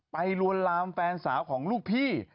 ลวนลามแฟนสาวของลูกพี่